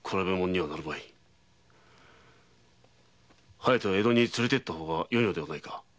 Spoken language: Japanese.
「疾風」は江戸に連れて行った方がよくはないか？